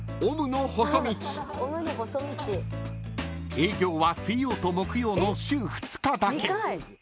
［営業は水曜と木曜の週２日だけ］